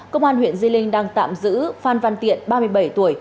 công an huyện di linh đang tạm giữ phan văn tiện ba mươi bảy tuổi